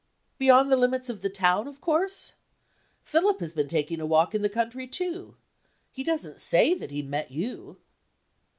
"Beyond the limits of the town, of course? Philip has been taking a walk in the country, too. He doesn't say that he met you."